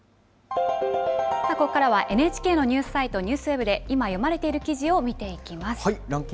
ここからは、ＮＨＫのＮＥＷＳＷＥＢで読まれている記事を見ていきます。